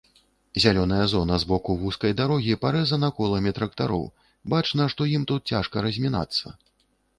Зялёная зона збоку вузкай дарогі парэзана коламі трактароў, бачна, што ім тут цяжка размінацца.